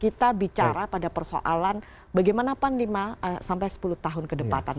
kita bicara pada persoalan bagaimana pan lima sampai sepuluh tahun ke depan